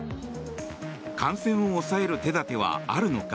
感染を抑える手立てはあるのか。